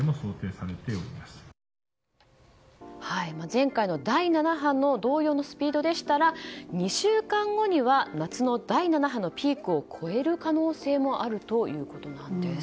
前回の第７波と同様のスピードでしたら２週間後には夏の第７波のピークを超える可能性もあるということなんです。